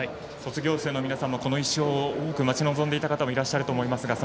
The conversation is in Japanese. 卒業生の皆さんもこの１勝を待ち望んでいた方たくさんいらっしゃると思います。